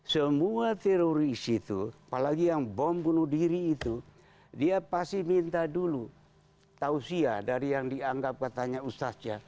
semua teroris itu apalagi yang bom bunuh diri itu dia pasti minta dulu tausia dari yang dianggap katanya ustaz ya